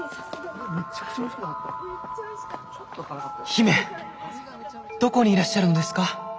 姫どこにいらっしゃるのですか？